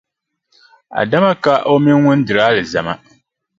Adama ka o mini ŋun diri alizama.